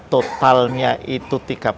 totalnya itu tiga belas